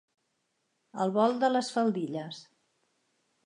El vol de les faldilles.